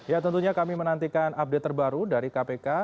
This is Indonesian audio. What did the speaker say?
ya tentunya kami menantikan update terbaru dari kpk